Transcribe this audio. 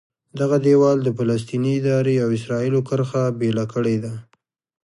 دغه دیوال د فلسطیني ادارې او اسرایلو کرښه بېله کړې ده.